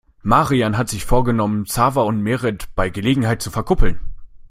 Marian hat sich vorgenommen, Xaver und Merit bei der Gelegenheit zu verkuppeln.